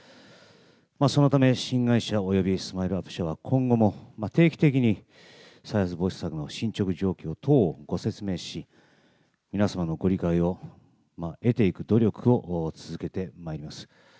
そのため、新会社およびＳＭＩＬＥーＵＰ．社は今後も定期的に、再発防止策の進捗状況等をご説明し、皆様のご理解を得ていく努力を続けてまいります。